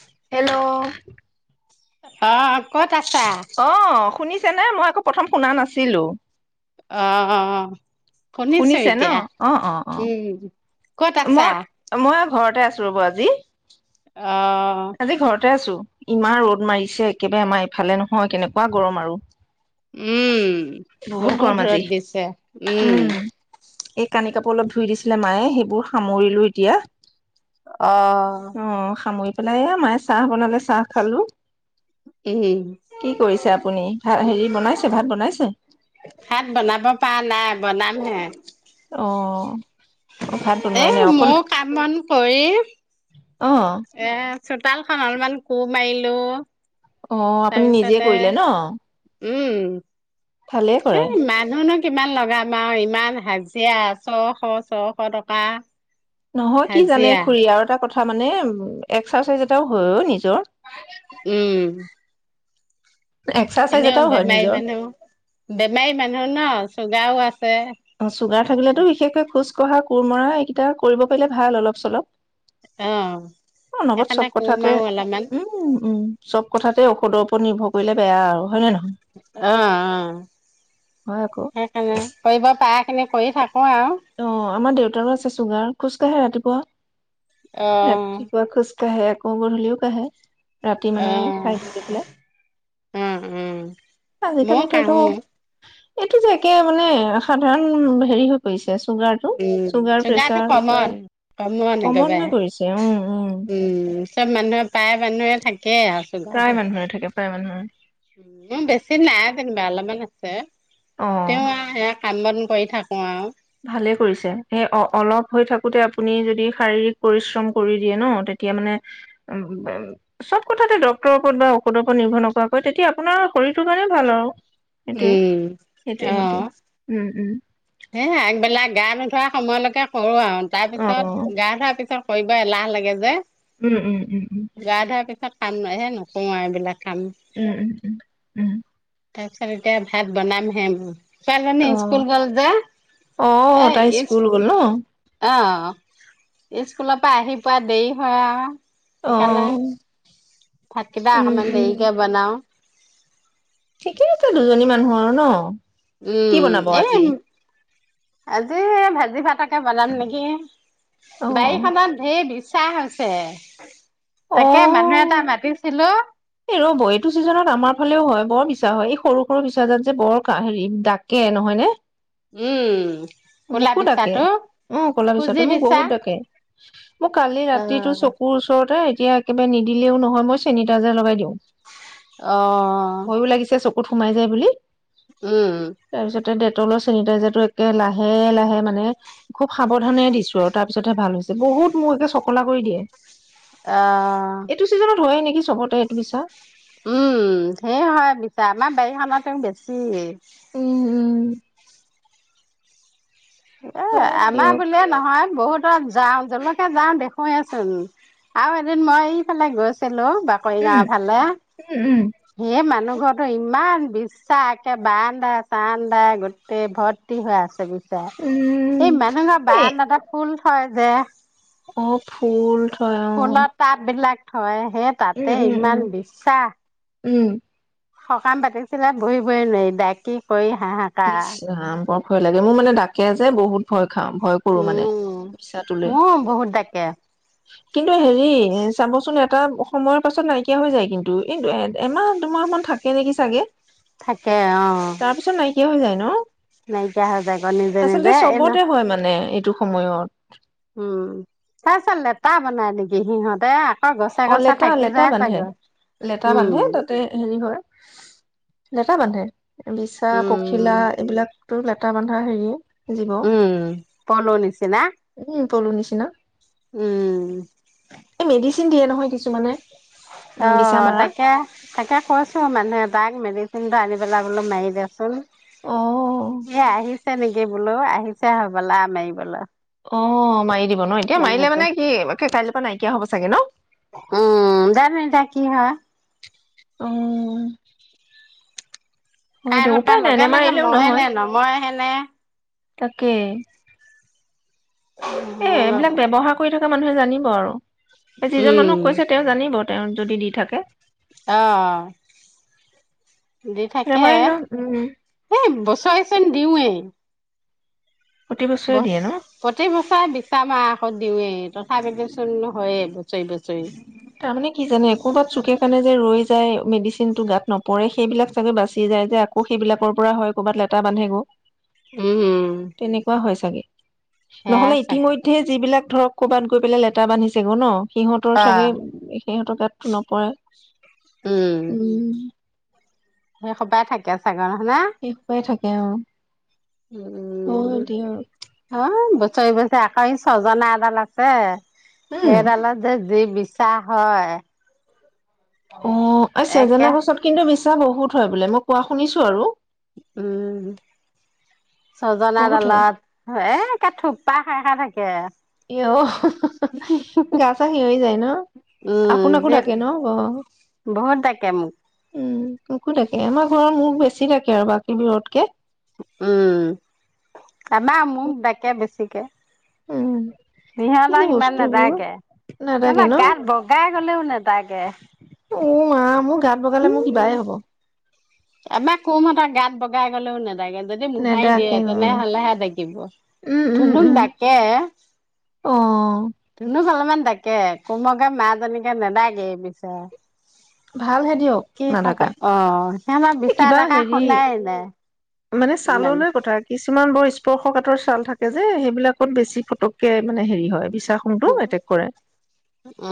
Hello অ' ক'ত আছা? অ শুনিছে নে মই আকৌ প্ৰথম শুনা নাছিলোঁ। অহহ্। শুনিছে ন অ' অ' অ' উম ক'ত আছা মই মই আ ঘৰতে আছোঁ ৰ'ব আজি। অ তাতে আছোঁ ইমান ৰ'দ মাৰিছে একেবাৰে আমাৰ ইফালে নহয় কেনেকুৱা গৰম আৰু। উম গৰম বহুত আজি ৰ'দ দিছে উম। এই কানি কাপোৰ অলপ ধুই দিছিলে মায়ে সেইবোৰ সামৰিলোঁ এতিয়া। অ সাময়িক পেলাই এ মায় চাহ বনালে চাহ খালোঁ। উম কি কৰিছে আপুনি ভা হেৰি বনাইছে ভাত বনাইছে? ভাত বনাব পা নাই বনামহে। অ অ ভাত এ, বনোৱাই নাই অকণ মোও কাম কৰি অ এ চোতাল খন অলমান কো মাৰিলোঁ। অ' আপুনি নিজে কৰিলে ন? উম- ভালে কৰে সেই মানুহনক কিমান লগাম আৰু ইমান হাজিৰা ছশ ছশ টকা'- নহয় কি জানে হাজিৰা খুৰী আৰু এটা কথা। কথা মানে এক্সচাইজ এটাও হয়ও নিজৰ। উম। এক্সাৰচাইজ এনেও এটাও হয় বেমাৰী নিজৰ মানুহ বেমাৰী মানুহ ন। গাঁও আছে। অ চুগাৰ থাকিলেতো বিশেষকৈ খোজ। খোজ কঢ়া, কোৰমৰা এইকেইটা কৰিব পাৰে ভাল অলপ চলপ। অ অনবৰত সেইকাৰণে সব কোম কথাতে আৰু অলপমান উম উম। চব কথাতে ঔষধৰ ওপৰত নিৰ্ভৰ কৰিলে বেয়া আৰু হয় নে নহয়। অ অ হয় আকৌ সেইকাৰণে কৰিব পাৰে। সেইখিনি কৰি থাকোঁ আৰু। ৰু আছে চুগাৰ খোজ কাঢ়ে ৰাতিপুৱা। অ ৰাতিপুৱা খোজ। কাঢ়ে আকৌ গধূলিয়ো কাঢ়ে। ৰাতি অ মানে খাই বৈ লৈ পেলাই অ উম ময়ো আজিকালিটো এইটো। কাহো এইটো যে একে মানে সাধাৰণ। হেৰি হৈ পৰিছে। চুগাৰটো উম চুগাৰ চুগাৰটো প্ৰেচাৰ কমন কমন হৈ পৰিছে উম উম একেবাৰে উম চব মানুহে প্ৰায়ে মানুহে থাকে। প্ৰায় মানুহৰে থাকে প্ৰায় মানুহৰে। উম বেছি নাই যেনিবা অলপমান আছে। অ তেওঁ আহ এক। কাম বন কৰি থাকোঁ আৰু। ভালে কৰিছে সেই অলপ হৈ থাকোতে আপুনি যদি শাৰীৰিক পৰিশ্ৰম কৰি দিয়ে ন তেতিয়া মানে উ চব কথাতে ডক্তৰৰ ওপৰত বা ঔষধৰ ওপৰত নিৰ্ভৰ নকৰাকৈ তেতিয়া আপোনাৰ শৰীৰটো কাৰণে ভাল আৰু। উম সেইটোয়ে-সেইটোয়ে-সেইটোয়ে উম-উম। সেই আগবেলা গা নোধোৱা সময়লৈকে কৰো আৰু। তাৰ অ পিছত গা ধোৱাৰ পিছত। কৰিব এলাহ লাগে যে। উম উম উম উম। গা [unintelligible] আৰু এইবিলাক। কাম উম উম উম উম। তাৰপিছত এতিয়া ভাত বনাম হে ম। ছোৱালীজনী অ ইস্কুল গল যে অ এ তাই স্কুল গ'ল ন ইস্কুল অ। অ স্কুলৰ পৰা আহি পোৱা দেৰি হয় আৰু। অ সেইকাৰণে ভাতকেইটা উম অকমান দেৰিকে বনাওঁ। ঠিকেই আছে দুজনী মানুহ আৰু ন? কি উম, বনাব এই আজি আজি ভাজি ভাতকে বনাম নেকি? অ অ বাৰীখনত ধেৰ বি চাহ আছে। অ', এ ৰ'ব এইটো চিজনত আমাৰ ফালেও হয়, বৰ বিচ- [unintelligible] হয়, এই সৰু, সৰু বিছাডালে যে, বৰ হেৰি ডাকে নহয় নে? উম কলা মোকো ডাকে বিচাটো অ', ক'লা কুজি বিছাতো মোক বিচা বহুত ডাকে। মোৰ কালি ৰাতিটো আহ চকুৰ ওচৰতে এতিয়া কিবা নিদিলেও নহয়, মই চেনিটাইজাৰ লগাই দিওঁ। অহ। কোত সোমাই যায় বুলি। উম। তাৰপিছতে ডেটলৰ চেনিটাইজাৰটো একে লা লাহে, লাহে মানে খুব সাৱধানে দিছোঁ আৰু তাৰ পিছতহে ভাল হৈছে, বহুত মোক একে চকলা কৰি দিয়ে। অ'। হয়েই নেকি চবতে এইটো বিছা। উম ধেৰ হয় বিছা, আমাৰ বাৰীখনতটো বেছি। উম। উম। এ হয় আমাৰ দিয়ক বুলিয়ে নহয়, বহুত তাত যাওঁ যৰলৈকে যাওঁ দেখোৱেচোন, আৰু এদিন মই এইফালে গৈছিলো বাকৰি উম গাওঁৰ ফালে উম ধেৰ মানুহ যোৱা কালি ইমান বিছা একে বাৰান্দাই চাৰান্দাই গোটেই ভৰ্তি হৈ আছে গৈ উম এই উম মানুহ ঘৰ এ বাৰাণ্ডাতে ফুল হয়, দিয়া। অ' ফুল্ড ফুল পাতবিলাক হয়। হে উম, তাতে উম, ইমান উম, বিছা। উম। সকাম পাতিছিলে বহিবই নোৱাৰি, ডাকি কৰি [unintelligible] হাহাকাৰ ভয় লাগে, মোৰ মানে ডাকে যে বহুত ভয় খাওঁ, ভয় কৰো মানে। উম, মিছাটোলে। ম বহুত ডাকে। কিন্তু হেৰি চাবচোন এটা সময়ৰ পাছত নাইকিয়া হৈ যায় কিন্তু এই এ এমাহ দুমাহ মান থাকে নেকি চাগে? থাকে অ তাৰ পিছত নাইকিয়া হৈ যায় ন, নাইকিয়া হৈ যায় আকৌ নিজে আচলতে নিজে এই চবতে হয় মানে এইটো সময়ত। উম, তাৰ পিছত লেতা বনাই নেকি সিহঁতে। [unintelligible] অ' গছে থাকি লেটা-লেটা যায় বান্ধে চাগৈ লেটা উম বান্ধে তাতে হেৰি হয়। লেটা বান্ধে। বিছা, উম পখিলা এইবিলাকটো [unintelligible] বান্ধা হেৰিও। উম, [unintelligible] নিচিনা। উম, পলু নিচিনা। উম। চিন দিয়ে নহয় কিছুমানে। উম, বিছা অ' মাৰা। তাকে-তাকে কৈছোঁ মানুহে তাক মেডিচিনটো আনি পেলাই বোলো মাৰি দেচোন। অ', সেয়া আ [unintelligible] নেকি বোলো আহিছে হ'বালা মাৰিবলৈ। অ' মাৰি দিব ন এতিয়া মাৰিলে মানুহটো মানে কি কাইলৈৰ পৰা নাই কিয় হ'ব চাগে ন? উম জানো এতিয়া কি হয়। উম। হয় দে কাইলৈৰ পৰা উপায় নাই লগে লগে নমাৰিলেও মৰে নহয়, নে নমৰে হেনে তাকেই। উম, নাজানোঁ। ব্যৱহাৰ কৰি এ মানুহে জানিব আৰু যিজন উম মানুহক কৈছে, তেওঁ জানিব। তেওঁ যদি দি থাকে। অ, দি থাকে, নেমাৰিলেও উম। এই বছৰেচন দিওঁৱেই। প্ৰতি বছৰে বছ দিয়ে ন? প্ৰতি বছৰে বিচা মাৰা ঔষধ দিওঁৱে। তথাপিটোচোন হয়ে বছৰি-বছৰি। তাৰমানে কি জানে ক'ৰবাত চুকে কাণে [unintelligible] মেডিচিনটো গাত নপৰে সেইবিলাক চাগে বাচি যায় যে আকৌ সেইবিলাকৰ পৰা হয় কৰ'ৰবাত লেটা বান্ধে গৈ। উম তেনেকুৱা হয় চাগে। [inaudible] সেয়াই নহলে চাগে ইতিমধ্যে যিবিলাক ধৰক ক'ৰবাত গৈ পেলাই লেটা বান্ধিছে গৈ ন। সিহঁতৰ অ চাগে সিহঁতৰ তাত টো নপৰে উম উম সেই সপাই থাকে ছাগৰ হ ন তেওঁ উম অ বছৰি বছৰি চজিনা এডাল আছে। উম হেইদাল যে যি বি চা হয়। অ এই, চজিনা একে গছত কিন্তু বিছা বহুত। হয় বোলে, মই কোৱা শুনিছো আৰু। উম চজিনা বহুত হয়। ডালত একে থোপপা খাই খাই থাকে। এ অ গা চা সিৰি যায় ন উম আপোনাকো যি দাকে ন ব বহুত ডাকে মোক উম মোকো দাকে আমাৰ ঘৰৰ মোক বেছি দাকে আৰু বাকী বোৰতকে উম আমাৰ মোক দাকে বেছিকে উম কি যে সিহঁতক ইমান বস্তুবোৰ নেজয়গে, নাডাকে সিহঁতৰ ন? গাত বগাই। গ'লেও নাদাকে উ মা মোৰ। গাত বগালে মোৰ কিবাই হ'ব আমাৰ কুমতৰ গাত বগাই গলেও নেদাগে যদি মোহাৰি নেদাকে দিয়ে উম তেনেহলেহে দাকিব, উম উম ধুনুক উম। দাকে অ ধুনুক অলপ। কিমান দাকে কোমকে মাজনীকে নেদাকে এই বিছাঁ ভালহে দিয়ক নদাকা অ সিহঁতৰ এ বিচাৰ কিবা ডেকা হেৰি শুনাই নাই মানে ইমান চাললৈ কথা কিছুমান বৰ স্পৰ্শকাতৰ চাল থাকে যে সেইবিলাকত বেছি ফটককে মানে হেৰি হয় বি উ উ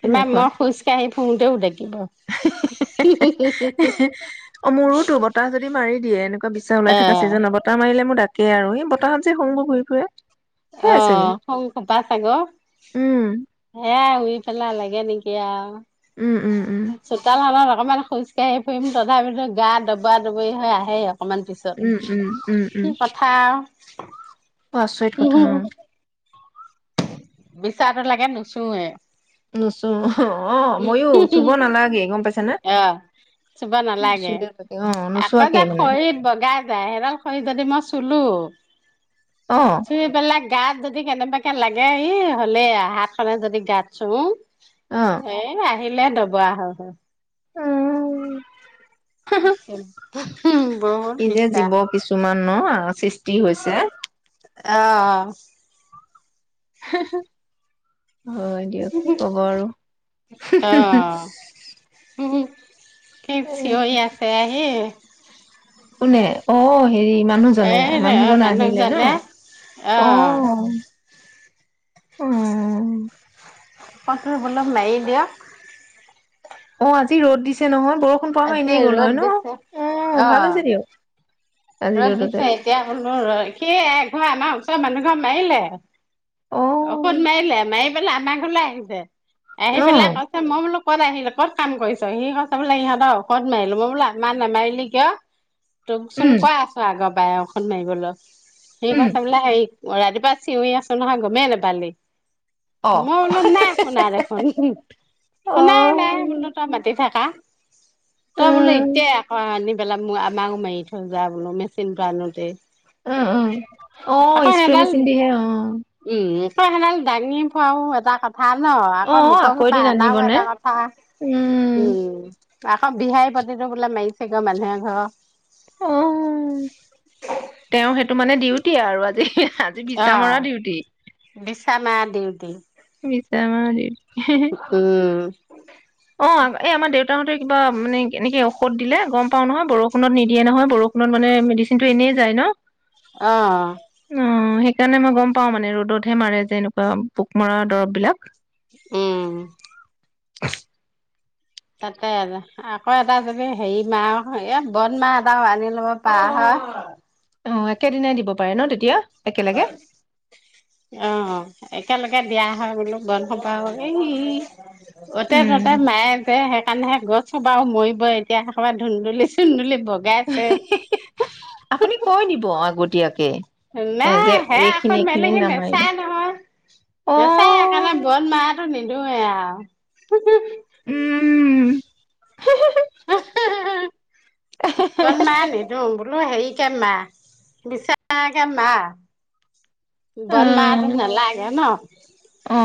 তেনেকুৱা মই খোজ কাঢ়ি ফু অ মোৰোতো বতাহ যদি মাৰি দিয়ে এনো বিচা ওলাই থকা চিজন অ‌, বতাহ মাৰিলে মোৰ দা এই আৰু এই বতাহত যে খু্ংবোৰ ঘূৰি ফুৰে অ সেয়াই চাগে খু্ং সোপাই চাগৈ, উম সেয়াই। শুই পেলাই লাগে নেকি উম উম উম আৰু। চোতাল হা লা লা অকমান খোজকাঢ়ি ফুইম তথাপিতো গা দবআ দবই হৈ আহেই। অমান পিছত উম উম উম কি কথা আ বআচৰিত কথা অ' বিচাটো লাগে নুচুৱে, নুচো, অঃ অ মইয়ো চুব নালাগেই গম পাইছে নে, অ চুব নচো, নালাগে অ আকৌ নোচোৱাকে যে মানে শুলো অ চুই পেলাগ গাত যদি কেনেবাকে লাগে ই হ'লেআ হাত খনে যদি গাত চু অ হে না হিলে দবআ হৈ হৈ উম, [unintelligible] [unintelligible] কিযে বিশ্বাস জীৱ কিছুমান ন আউ সিচ তি হৈছে? অ', অ'। হয়, দিয়ক কি ক'ব আৰু কিত এ চিঞই আছে আহি কোনে? অ'। হেৰি মানুহজনে এই মানুহজনে আহিলে ন? অ'। অ [unintelligible] দিয়ক অ', আজি ৰ'দ দিছে নহয় বৰষুণ পআ হয়, আজি এনেই গ'ল ৰ'দ হয়, ন? দিছে অ', ভাল হৈছে দিয়ক। আজি ৰ'দ ৰ'দতে দিছে এতিয়া বোলো সেয়াই এঘৰ আমাৰ ওচ মানুহঘৰ মাইলে অ অশুভ মাইলে মাইল [unintelligible] আামা ঘৰলে আহিছে আহি অ পেলাই কৈছে মই বোলো। ক'ত আহিলো, ক'ত কাম কৰিছ, সি কৈছে বোলে ইহঁতৰ অসধ মাৰিলো, মই বোলো আমা নামাইলি কিয়? তোক চোন উম আগ পায়ে অষদ মাইবলৈ [unintelligible] উম অ' ৰাতিপুৱা চিঞৰি আছোঁ নহয়, গমেই নেপালি? অ মই বোলোঁ নাই শুনা দেখোন অ শুনাই নাই বোলোঁ তই মাতি থাকা। তই বোলোঁ উম এতিয়াই আকৌ আনি পেলাই মই আমাও মাৰিথয়। যাৰ বোলোঁ মেচিনটো আনোতেই। অহ' অহ' আকৌ অ' স্প্ৰেয়াৰ মেচিন দিহে অ' [unintelligible] হেদাল দাঙি ফুৱাও এটা ক ভাল ন অ আকৌ লোকৰ ঘৰৰ পৰা এদিন অনাও আনিবনে এটা কথা। উম আকৌ বিহাৰী পতিটো বোলে মাৰিছেগৈ মানুহ এঘৰক। অ', তেওঁ সেইটো মানে ডিউটি আৰু আজি। আজি বিছা মৰা ডিউটি মাৰা দিউটি। বিচা মাৰা ডিউটি উম, অ' এই আমাৰ দেউতাহঁতে কিবা মানে এনেকে ঔষধ দিলে গম পাও নহয় বৰষুণত নিদিয়ে নহয় বৰষুণত মানে মেডিচিন টো এনেই যায় ন? অ' অ, সেইকাৰণে মই গম পাওঁ মানে ৰ'দতহে মাৰে যে এনেকুৱা পোক মৰা দৰৱ বিলাক। উম! [inaudible] তাতে, আকৌ এটা যদি হেৰি মাহ এ বদ মাহ এটাও আনি লব পাৰা হয়! অ একেদিনাই দিব পাৰে ন তেতিয়া? একেলগে অ একেলগে। দিয়া হয় বোলো [unintelligible] সুপাও [unintelligible] অতে উম ততে মায়ে যে হে [unintelligible] গছ সোপাও মৰিব এতিয়া [unintelligible] ধুন্দুলি চুন্দুলি ভগাই আছে! [unintelligible] এতিয়াকে। নাই হে [unintelligible] মেলি সি নামাৰিবা নেচাই নহয়, অ নেচাই সেইকাৰণে বন মাহটো নি- [inaudible] উম! [unintelligible] [inaudible] বনমাহটো উম! নালাগে ন অ,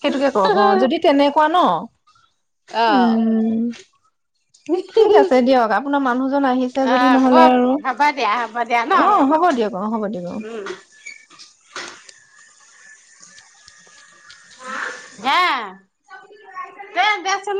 সেইটোকে কক অ যদি তেনেকুৱা ন? অ। উম ঠিক আছে দিয়ক, আপ কোনো মানুহ মানু্হজন আহিছে অ যদি নহলে কব আৰু হ'ব দিয়া হ'ব দিয়া ন অ হ'ব দিয়ক অ হ'ব দিয়ক অ' [unintelligible] হে তে দেচোন